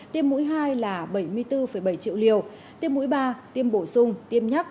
tiêm mũi hai là bảy mươi bốn bảy triệu liều tiêm mũi ba tiêm bổ sung tiêm nhắc